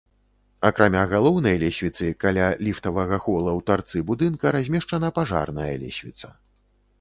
Акрамя галоўнай лесвіцы каля ліфтавага хола ў тарцы будынка размешчана пажарная лесвіца.